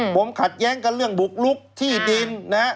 ผมขัดแย้งกันเรื่องบุกลุกที่ดินนะฮะ